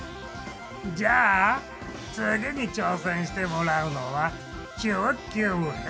じゃあ次に挑戦してもらうのは中級編。